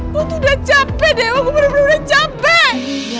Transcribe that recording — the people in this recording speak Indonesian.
gue tuh udah capek dewa gue bener bener udah capek